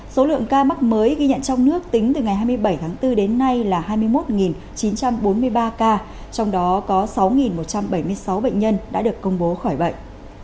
số lượng ca mắc mới ghi nhận trong nước tính từ ngày hai mươi bảy tháng bốn đến nay là hai mươi một chín trăm bốn mươi ba ca trong đó có sáu một trăm bảy mươi sáu bệnh nhân đã được công bố khỏi bệnh